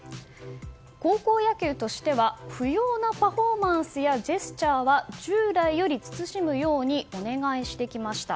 高校野球としては不要なパフォーマンスやジェスチャーは従来より慎むようにお願いしてきました。